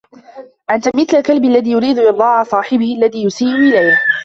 أنت مثل الكلب الذي يريد ارضاء صاحبه الذي يسيء إليه.